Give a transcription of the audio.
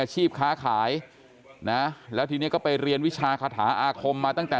ค้าขายนะแล้วทีนี้ก็ไปเรียนวิชาคาถาอาคมมาตั้งแต่